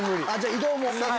移動も。